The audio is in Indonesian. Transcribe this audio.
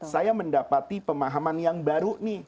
saya mendapati pemahaman yang baru nih